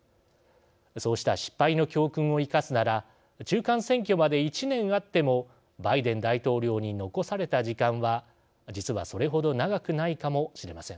そうした失敗の教訓を生かすなら中間選挙まで１年あってもバイデン大統領に残された時間は実はそれほど長くないかもしれません。